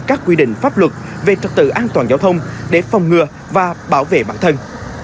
các quy định pháp luật về trật tự an toàn giao thông để phòng ngừa và bảo vệ bản thân